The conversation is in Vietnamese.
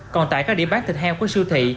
còn tại các điểm bán thịt heo của siêu thị